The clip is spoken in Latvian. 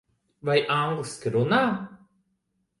Vai angliski runā?